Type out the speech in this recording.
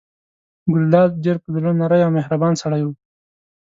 ګلداد ډېر په زړه نری او مهربان سړی و.